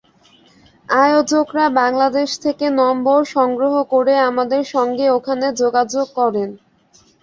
আয়োজকেরা বাংলাদেশ থেকে নম্বর সংগ্রহ করে আমাদের সঙ্গে ওখানে যোগাযোগ করেন।